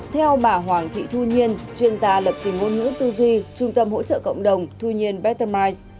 theo bà hoàng thị thu nhiên chuyên gia lập trình ngôn ngữ tư duy trung tâm hỗ trợ cộng đồng thu nhiên better mise